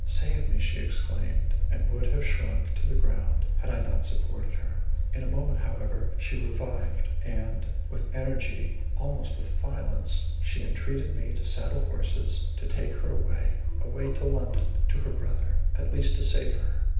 "Save me!" she exclaimed, and would have sunk to the ground had I not supported her. In a moment however she revived, and, with energy, almost with violence, entreated me to saddle horses, to take her away, away to London—to her brother—at least to save her.